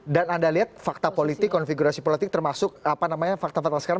dan anda lihat fakta politik konfigurasi politik termasuk fakta fakta sekarang